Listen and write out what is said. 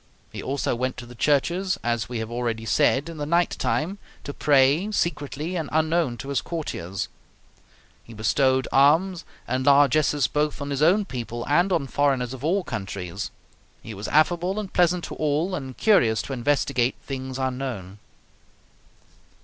He also went to the churches, as we have already said, in the night time, to pray, secretly and unknown to his courtiers; he bestowed alms and largesses both on his own people and on foreigners of all countries; he was affable and pleasant to all, and curious to investigate things unknown."